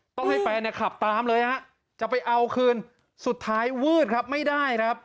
ต้องให้แฟนเนี่ยขับตามเลยฮะจะไปเอาคืนสุดท้ายวืดครับไม่ได้ครับ